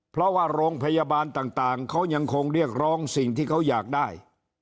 เพราะว่าโรงพยาบาลต่างเขายังคงเรียกร้องสิ่งที่เขาอยากได้